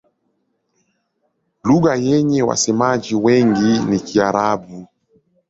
Lugha yenye wasemaji wengi ni Kiarabu.